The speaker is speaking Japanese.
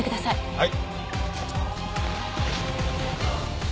はい。